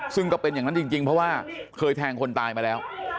ซึ่งก็เป็นอย่างนั้นจริงเพราะว่าเคยแทงคนตายมาแล้ว